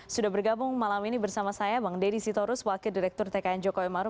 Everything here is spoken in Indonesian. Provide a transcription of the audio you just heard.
sudah bergabung malam ini bersama saya bang dedy sitorus wakil direktur tkn joko emarum